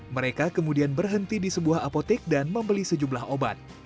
mereka kemudian berhenti di sebuah apotek dan membeli sejumlah obat